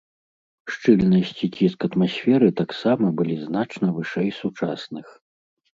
Шчыльнасць і ціск атмасферы таксама былі значна вышэй сучасных.